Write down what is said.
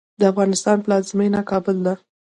د افغانستان پلازمېنه کابل ده.